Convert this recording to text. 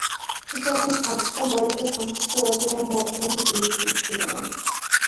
সুতরাং আজকাল বালিকার সংক্ষিপ্ত রচনার মধ্যে মধ্যে দীর্ঘ বিচ্ছেদ নাই।